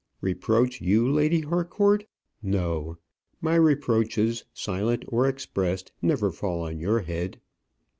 "Reproach you, Lady Harcourt! No; my reproaches, silent or expressed, never fall on your head."